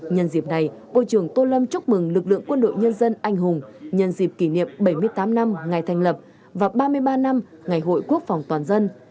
nhân dịp này bộ trưởng tô lâm chúc mừng lực lượng quân đội nhân dân anh hùng nhân dịp kỷ niệm bảy mươi tám năm ngày thành lập và ba mươi ba năm ngày hội quốc phòng toàn dân